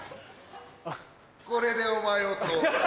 これでお前を倒す。